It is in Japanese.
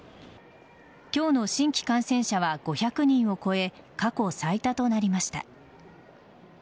今日の新規感染者は５００人を超え過去最多となりました。